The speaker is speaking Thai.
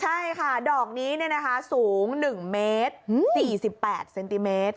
ใช่ค่ะดอกนี้สูง๑เมตร๔๘เซนติเมตร